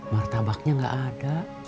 martabaknya gak ada